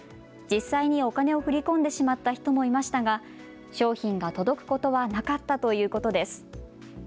実際にお金を振り込んでしまった人もいましたが商品が届くことはなかったということです。